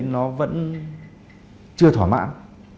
nó vẫn chưa thỏa mãn